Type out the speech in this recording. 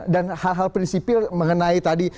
dan hal hal prinsipil mengenai tadi